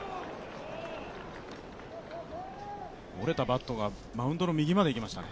折れたバットがマウンドの右までいきましたね。